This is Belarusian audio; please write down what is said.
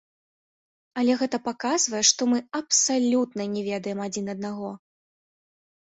Але гэта паказвае, што мы абсалютна не ведаем адзін аднаго.